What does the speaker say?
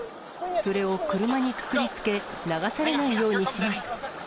それを車にくくりつけ、流されないようにします。